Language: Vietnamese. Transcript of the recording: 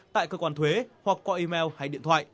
tại cơ quan thuế hoặc qua email hay điện thoại